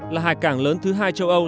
là hải cảng lớn thứ hai châu âu